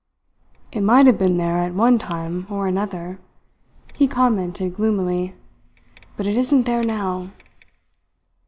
"It might have been there at one time or another," he commented gloomily, "but it isn't there now."